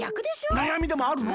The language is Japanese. なやみでもあるの？